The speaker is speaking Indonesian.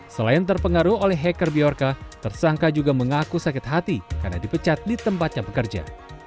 selain terpengaruh oleh hacker bjorka tersangka juga mengaku sakit hati karena dipecat di tempatnya bekerja